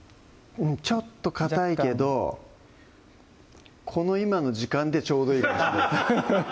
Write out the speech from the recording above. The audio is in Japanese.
ちょっとかたいけどこの今の時間でちょうどいいかもしれないです